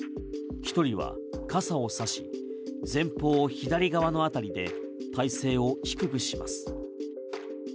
１人は傘を差し前方左側の辺りで体勢を低くします。